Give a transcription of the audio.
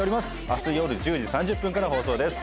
明日夜１０時３０分から放送です